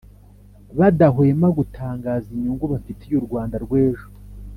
badahwema gutangaza inyungu bafitiye u Rwanda rw'ejo